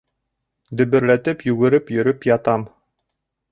Дөбөрләтеп йүгереп йөрөп ятам.